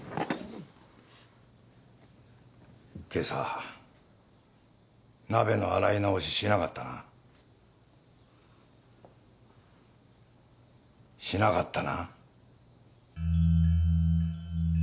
今朝鍋の洗い直ししなかったなしなかったな？